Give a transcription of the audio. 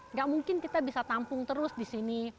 nggak mungkin kita bisa tampung terus di sini